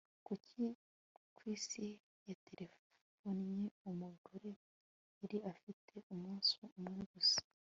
kuki kwisi yaterefonnye umugore? yari afite umunsi umwe gusa